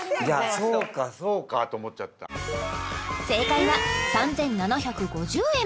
そうかそうかと思っちゃった正解は３７５０円